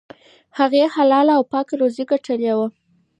هغې حلاله او پاکه روزي ګټلې وه.